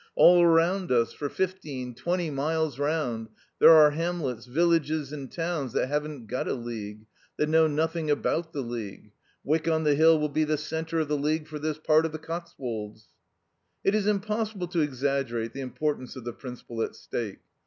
All round us, for fifteen twenty miles round, there are hamlets, villages and towns that haven't got a League, that know nothing about the League. Wyck on the Hill will be the centre of the League for this part of the Cotswolds. "It is impossible to exaggerate the importance of the principle at stake.